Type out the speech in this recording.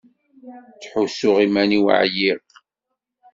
Ttḥussuɣ iman-iw ɛyiɣ.